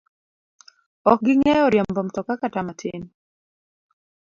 Ok ging'eyo riembo mtoka kata matin.